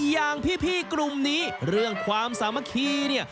อย่างพี่กลุ่มนี้เรื่องความสามัคคีเนี่ย